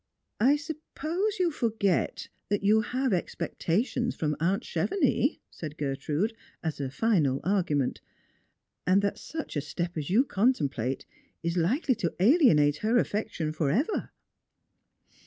" I suppose you forgot that you have expectations from aunt Chevenix," said Gertrude, as a final argument ;" and that such a step as you contemplate is likely to alienate her affection for ever."